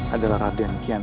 adalah raden kiansang